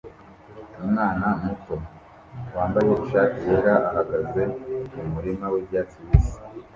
Umwana muto wambaye ishati yera ahagaze mumurima wibyatsi bibisi